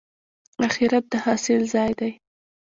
اخرت د حاصل ځای دی